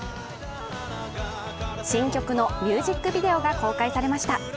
新曲のミュージックビデオが公開されました。